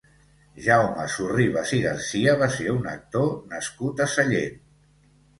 Jaume Sorribas i Garcia va ser un actor nascut a Sallent.